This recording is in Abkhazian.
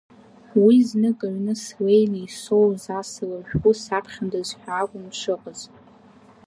Уи знык аҩны слеины, исоуз асалам шәҟәы саԥхьандаз ҳәа акәын дшыҟаз.